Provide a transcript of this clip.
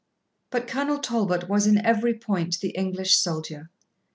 But Colonel Talbot was in every point the English soldier.